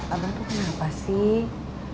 abang tuh kenapa sih